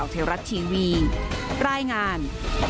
โปรดติดตามตอนต่อไป